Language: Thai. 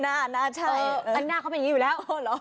หน้าหน้าใช่เอออันนี้หน้าเขาเป็นอย่างงี้อยู่แล้วโหหรอ